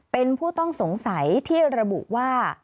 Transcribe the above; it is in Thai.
เป็นผู้ต้องสงสัยที่ระบุว่า